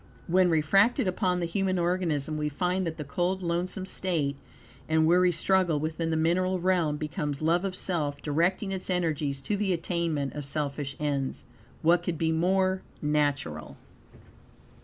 When refracted upon the human organism, we find that the cold, lonesome state, and weary struggle within the mineral realm, becomes love of self, directing its energies to the attainment of selfish ends. What could be more natural?